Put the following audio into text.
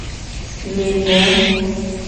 Nyine.